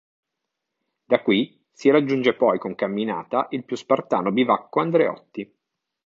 Da qui si raggiunge poi con camminata il più spartano bivacco Andreotti.